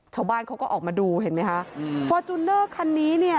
ชาวบ้านเขาก็ออกมาดูเห็นมั้ยฮะอืมคันนี้เนี้ย